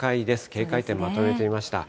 警戒点、まとめてみました。